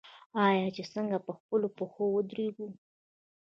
آیا چې څنګه په خپلو پښو ودریږو؟